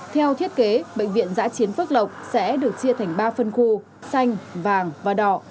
theo thiết kế bệnh viện giã chiến phước lộc sẽ được chia thành ba phân khu xanh vàng và đỏ